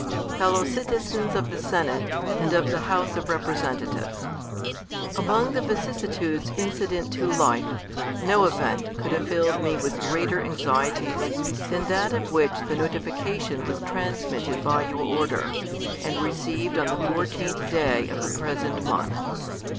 Fellow Citizens of the Senate, AND OF the House of Representatives, AMONG the vicissitudes incident to life, no event could have filled me with greater anxieties thaa that of which the notification was transmitted by your order, and received on the 14th day of the present month.